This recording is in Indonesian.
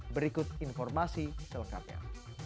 berikut informasi selengkapnya